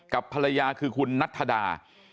กับภรรยาคือคุณนัทธดา